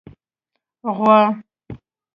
🐄 غوا